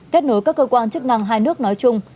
kết nối các cơ quan chức năng hai nước nói chung